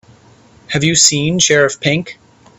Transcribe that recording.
Have you seen Sheriff Pink?